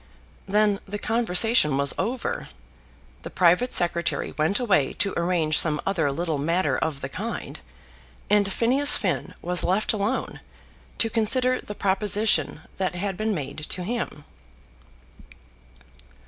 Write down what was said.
Then the conversation was over, the private secretary went away to arrange some other little matter of the kind, and Phineas Finn was left alone to consider the proposition that had been made to him.